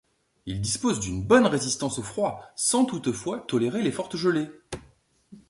Il dispose d'une bonne résistance au froid sans toutefois tolérer les fortes gelées.